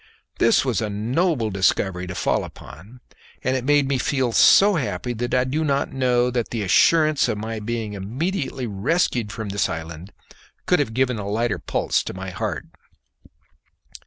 This was a noble discovery to fall upon, and it made me feel so happy that I do not know that the assurance of my being immediately rescued from this island could have given a lighter pulse to my heart.